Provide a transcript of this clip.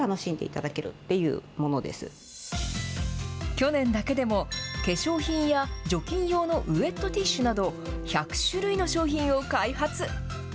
去年だけでも、化粧品や除菌用のウエットティッシュなど、１００種類の商品を開発。